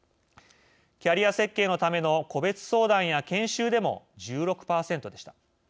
キャリア設計のための個別相談や研修でも１６％でした。